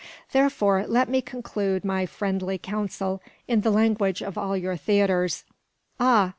Therefore, let me conclude my friendly counsel in the language of all your theatres ah!